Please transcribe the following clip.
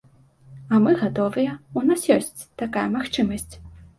Мы гатовыя, у нас ёсць такая магчымасць.